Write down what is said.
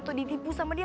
atau ditipu sama dia